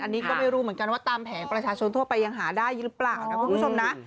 อันนี้ก็ไม่รู้เหมือนกันว่าตามแผงประชาชนทั่วไปยังหาได้หรือเปล่านะคุณผู้ชมนะ